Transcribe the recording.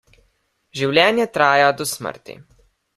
Življenje traja do smrti.